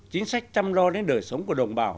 chính sách chăm lo đến đời sống của đồng bào